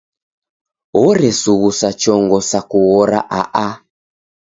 Oresughusa chongo sa kughora a-a.